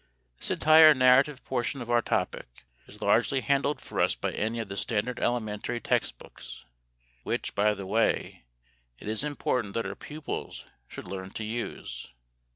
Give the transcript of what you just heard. This entire narrative portion of our topic is largely handled for us by any of the standard elementary text books, which, by the way, it is important that our pupils should learn to use.